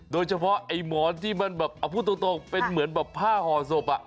โดยเฉพาะไอ้หมอนที่มันแบบเอาพูดตรงเป็นเหมือนแบบผ้าห่อศพ